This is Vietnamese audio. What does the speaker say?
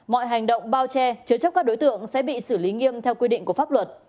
mọi hành động bao che chứa chấp các đối tượng sẽ bị xử lý nghiêm theo quy định